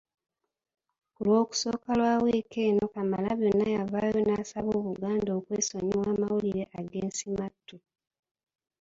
Ku Lwokusooka lwa wiiki eno Kamalabyonna yavaayo n'asaba Obuganda okwesonyiwa amawulire ag’ensimattu.